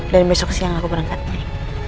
dan besok siang aku berangkat nih